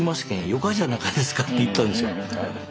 よかじゃなかですか」って言ったんですよ。